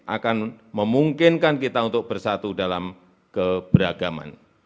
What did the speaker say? akan memungkinkan kita untuk bersatu dalam keberagaman